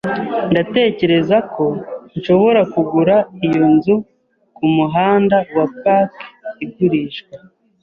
Ndatekereza ko nshobora kugura iyo nzu kumuhanda wa Park igurishwa.